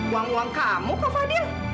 uang uang kamu ke fadil